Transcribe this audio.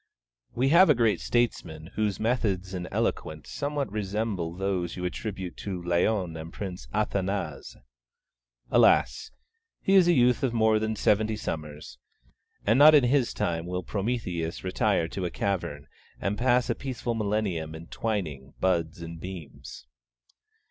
We have a great statesman whose methods and eloquence somewhat resemble those you attribute to Laon and Prince Athanase. Alas! he is a youth of more than seventy summers; and not in his time will Prometheus retire to a cavern and pass a peaceful millennium in twining buds and beams.